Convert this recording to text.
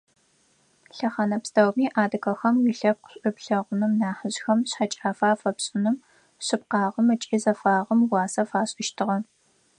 Лъэхъэнэ пстэуми адыгэхэм уилъэпкъ шӏу плъэгъуным нахьыжъхэм шъхьэкӏафэ афэпшӏыным, шъыпкъагъэм ыкӏи зэфагъэм уасэ фашӏыщтыгъэ.